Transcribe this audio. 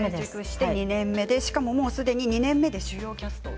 しかも、すでに２年目で主要キャストを